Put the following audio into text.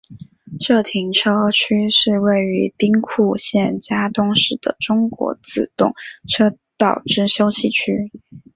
社停车区是位于兵库县加东市的中国自动车道之休息区。